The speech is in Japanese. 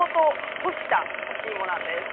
干した干し芋なんです。